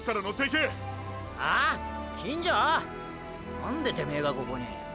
なんでてめェがここに。